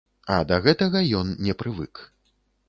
А да гэтага ён не прывык.